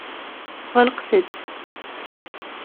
Ɣelqet-t.